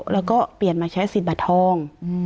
แล้วก็เปลี่ยนมาใช้สิทธิ์บัตรทอง